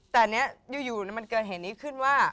แต่อันนี้อยู่มันเกิดเหตุนี้ขึ้นว่า